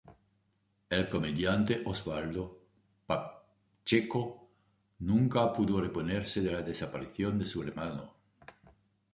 El comediante Osvaldo Pacheco nunca pudo reponerse de la desaparición de su hermano.